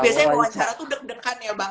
biasanya wawancara tuh deg degan ya bang